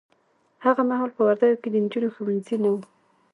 هغه محال په وردګو کې د نجونو ښونځي نه وه